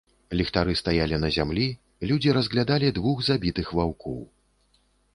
Ліхтары стаялі на зямлі, людзі разглядалі двух забітых ваўкоў.